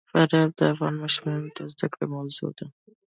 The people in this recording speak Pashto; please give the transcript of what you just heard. فاریاب د افغان ماشومانو د زده کړې موضوع ده.